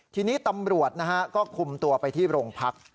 ทีนี้ตำรวจนะฮะก็คุมตัวไปที่โรงพัก